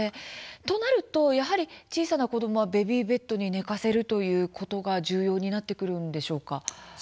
となるとやはり小さな子どもはベビーベッドに寝かせるということが重要になってくるんでしょうか。